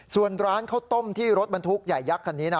ส่วนร้านข้าวต้มที่รถบรรทุกใหญ่ยักษ์คันนี้นะ